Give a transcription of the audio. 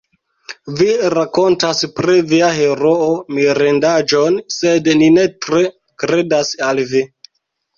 Vi rakontas pri via heroo mirindaĵon, sed ni ne tre kredas al vi.